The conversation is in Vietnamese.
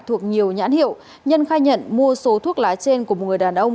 thuộc nhiều nhãn hiệu nhân khai nhận mua số thuốc lá trên của một người đàn ông